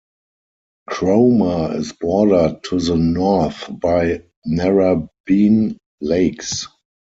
Cromer is bordered to the north by Narrabeen Lakes.